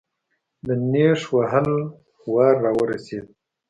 د نېش وهلو وار راورسېد.